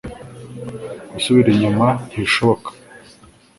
Gusubira inyuma nti bishiboka